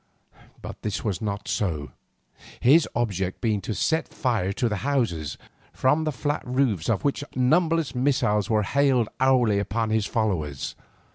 But this was not so, his object being to set fire to the houses, from the flat roofs of which numberless missiles were hailed hourly upon his followers.